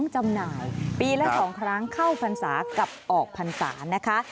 จำหน่ายปีละ๒ครั้งเข้าพรรษากับออกพรรษานะคะ